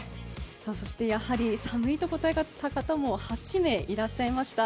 そして寒いと答えた方も８名いらっしゃいました。